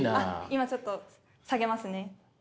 今ちょっと下げますね。